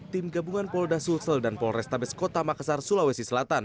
tim gabungan polda sulsel dan polrestabes kota makassar sulawesi selatan